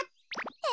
え？